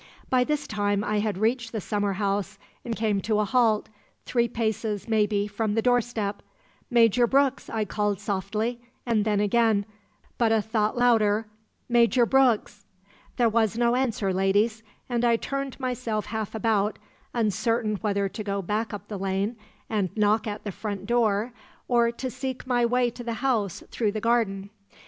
"By this time I had reached the summer house and come to a halt, three paces, maybe, from the doorstep. 'Major Brooks!' I called softly, and then again, but a thought louder, 'Major Brooks!' "There was no answer, ladies, and I turned myself half about, uncertain whether to go back up the lane and knock at the front door or to seek my way to the house through the garden.